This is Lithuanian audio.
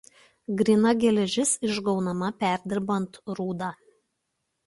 Gryna geležis išgaunama perdirbant rūdą.